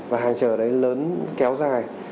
và hàng chờ đấy lớn kéo dài